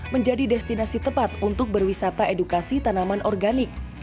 menjadi destinasi tepat untuk berwisata edukasi tanaman organik